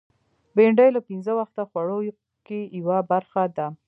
بېنډۍ له پینځه وخته خوړو کې یوه برخه ده